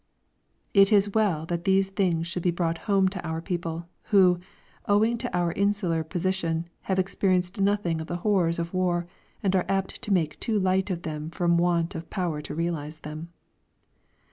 It is well that these things should be brought home to our people, who, owing to our insular position, have experienced nothing of the horrors of war and are apt to make too light of them from want of power to realise them.